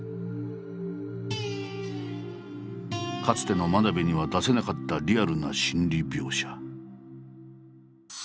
かつての真鍋には出せなかったリアルな心理描写。